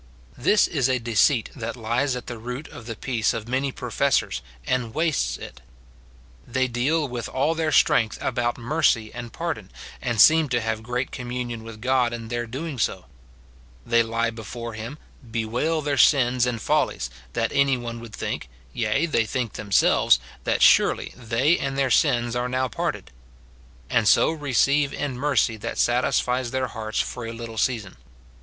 This is a deceit that lies at the root of the peace of many professors and wastes it. They deal with all tlieir strength about mercy and pardon, and seem to have great communion with God in their so doing ; they lie before him, bewail their sins and follies, that any one would think, yea, they think thems'^lves, that surely they and their sins are now parted ; and so receive in mercy that satisfies their hearts for a little season.